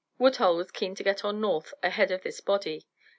Woodhull was keen to get on north ahead of this body.